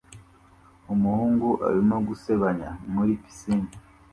Umuhungu arimo gusebanya muri pisine